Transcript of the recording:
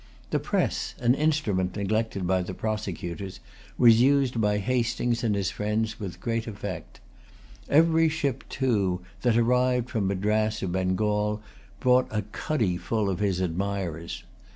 The press, an instrument neglected by the prosecutors, was used by Hastings and his friends with great effect. Every ship, too, that arrived from Madras or Bengal, brought a cuddy full of his admirers.